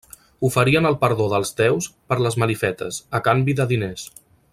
Oferien el perdó dels déus per les malifetes, a canvi de diners.